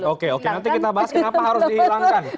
oke oke nanti kita bahas kenapa harus dihilangkan